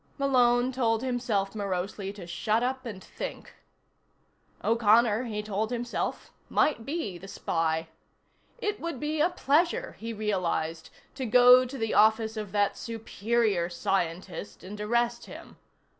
Malone told himself morosely to shut up and think. O'Connor, he told himself, might be the spy. It would be a pleasure, he realized, to go to the office of that superior scientist and arrest him.